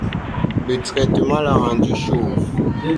Le traitement l'a rendu chauve.